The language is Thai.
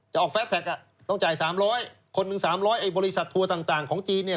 จะออกแฟสแท็กอ่ะต้องจ่ายสามร้อยคนหนึ่งสามร้อยไอ้บริษัททัวร์ต่างต่างของจีนเนี่ย